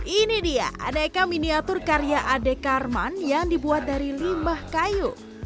ini dia aneka miniatur karya ade karman yang dibuat dari limbah kayu